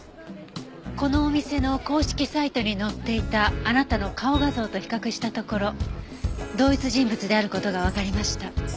このお店の公式サイトに載っていたあなたの顔画像と比較したところ同一人物である事がわかりました。